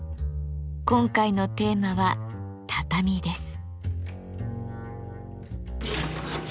今回のテーマは「畳」です。